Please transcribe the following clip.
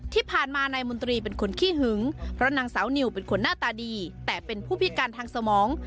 ที่ผ่านมานายมนตรีเป็นคนขี้หึงเพราะนางสาวนิวเป็นคนหน้าตาดีแต่เป็นผู้พิการทางสมอง